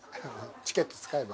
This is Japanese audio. チケット使えば？